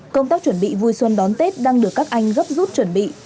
công tác chuẩn bị vui xuân đón tết đang được các anh gấp rút chuẩn bị